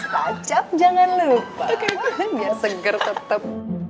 kacap jangan lupa biar seger tetep